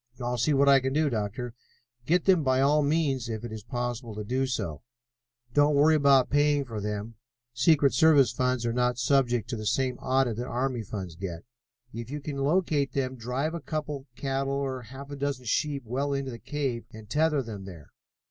"I'll see what I can do, Doctor." "Get them by all means, if it is possible to do so. Don't worry about paying for them: secret service funds are not subject to the same audit that army funds get. If you can locate them, drive a couple of cattle or half a dozen sheep well into the cave and tether them there.